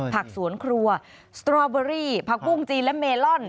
ผักสวนครัวสตรอเบอรี่ผักบุ้งจีนและเมลอน